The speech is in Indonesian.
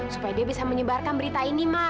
supaya dia bisa menyebarkan berita ini mak